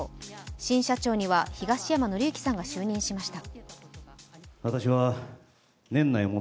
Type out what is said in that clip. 新社長には東山紀之さんが就任しました。